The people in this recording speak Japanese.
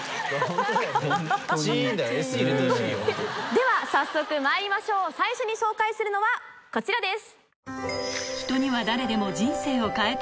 では早速まいりましょう最初に紹介するのはこちらです。